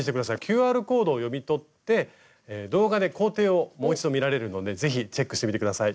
ＱＲコードを読み取って動画で工程をもう一度見られるので是非チェックしてみて下さい。